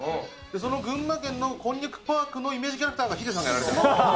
その群馬県のこんにゃくパークのイメージキャラクター、ヒデさんがやられてる。